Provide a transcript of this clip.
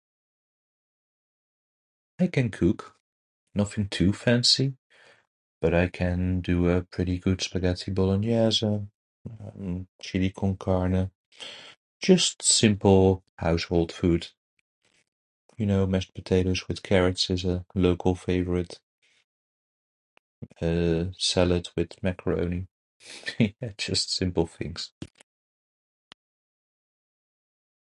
I can cook. Nothing too fancy, but I can do a pretty good spaghetti bolognese, um, chili con carne. Just simple household food. You know, mashed potatoes with carrots is a local favorite. Uh, salad with macaroni. Yeah, just simple things.